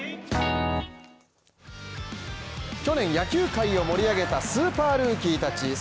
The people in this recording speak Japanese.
去年、野球界を盛り上げたスーパールーキーたち。